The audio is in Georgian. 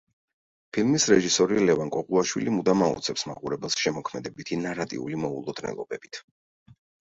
ფილმის რეჟისორი ლევან კოღუაშვილი მუდამ აოცებს მაყურებელს შემოქმედებითი ნარატიული მოულოდნელობებით.